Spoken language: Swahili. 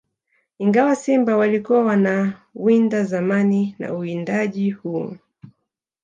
Ingawa simba walikuwa wanawindwa zamani na uwindaji huo